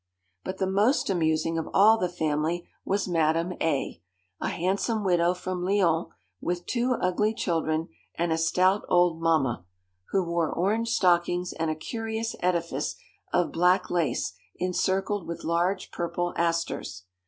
But the most amusing of all the family was Madame A., a handsome widow from Lyons, with two ugly children and a stout old mamma, who wore orange stockings and a curious edifice of black lace encircled with large purple asters.